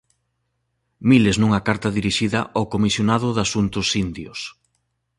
Miles nunha carta dirixida ó Comisionado de Asuntos Indios.